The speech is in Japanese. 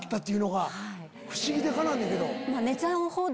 不思議でかなわねんけど。